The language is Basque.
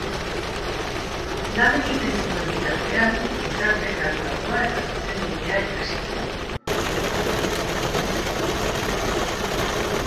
Lan egiten zuen bitartean Gizarte-graduatua eta Zuzenbidea ikasi zuen.